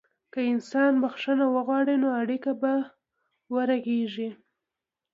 که انسان بخښنه وغواړي، نو اړیکه به ورغېږي.